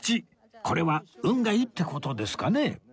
これは運がいいって事ですかね？